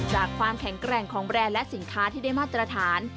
ความแข็งแกร่งของแบรนด์และสินค้าที่ได้มาตรฐาน